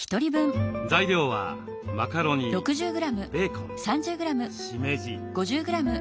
材料はマカロニベーコンしめじ。